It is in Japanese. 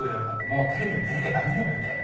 もうテレビに出なきゃ駄目よみたいな。